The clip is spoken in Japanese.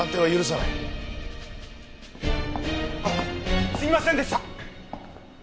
あっすいませんでした！